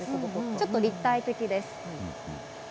ちょっと立体的です。